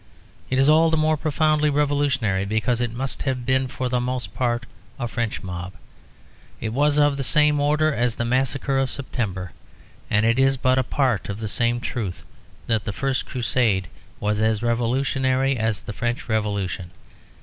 It is all the more profoundly revolutionary because it must have been for the most part a French mob. It was of the same order as the Massacre of September, and it is but a part of the same truth that the First Crusade was as revolutionary as the French Revolution.